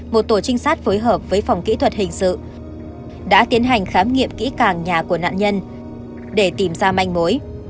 một tổ trinh sát phối hợp với phòng kỹ thuật hình sự đã tiến hành khám nghiệm kỹ càng nhà của nạn nhân để tìm ra manh mối